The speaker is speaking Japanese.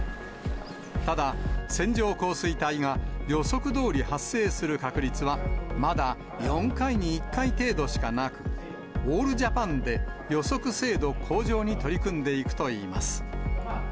ただ、線状降水帯が、予測どおり発生する確率はまだ４回に１回程度しかなく、オールジャパンで予測精度向上に取り組んでいくといいます。